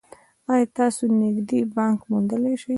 ایا تاسو نږدې بانک موندلی شئ؟